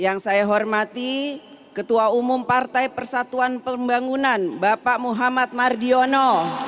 yang saya hormati ketua umum partai persatuan pembangunan bapak muhammad mardiono